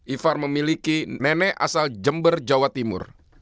ifar memiliki nenek asal jember jawa timur